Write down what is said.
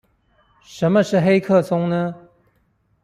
什麼是黑客松呢？